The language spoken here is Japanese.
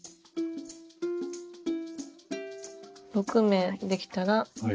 ６目できたら次は。